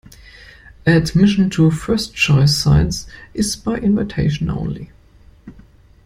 Admission to First Choice Science is by invitation only.